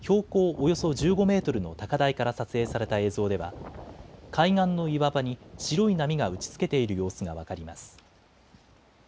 およそ１５メートルの高台から撮影された映像では海岸の岩場に白い波が打ちつけている様子が分かります。